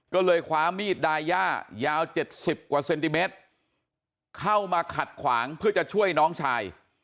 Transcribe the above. ก็เลยคว้ามีดดาย่ายาว๗๐กว่าเซนติเมตรเข้ามาขัดขวางเพื่อจะช่วยน้องชาย